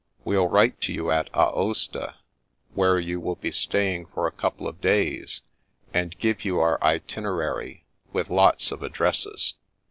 We'll write to you at Aosta, where you will be staying for a couple of days, and give you our itinerary, with lots of addresses.